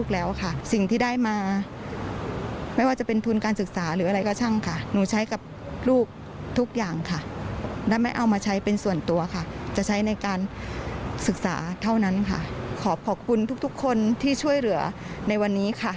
แล้วก็จากห้างร้านต่างอีกมากมายเหมือนกันนะคะ